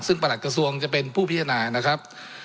ซึ่งประหลัดกระทรวงจะเป็นผู้พิจารณานะครับ